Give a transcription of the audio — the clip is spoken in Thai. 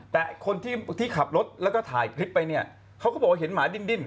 แต่คนที่ขับรถแล้วก็ถ่ายคลิปไปเนี่ยเขาก็บอกว่าเห็นหมาดิ้น